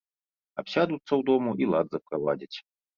Абсядуцца ў дому і лад заправадзяць.